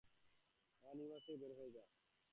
আমার ইউনিভার্স থেকে বের হয়ে যা!